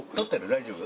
大丈夫？